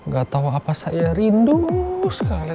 gak tahu apa saya rindu